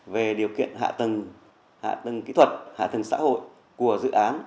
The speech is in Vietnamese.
về điều kiện hạ tầng kỹ thuật hạ tầng xã hội của dự án